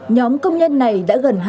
nhóm công nhân này đã gần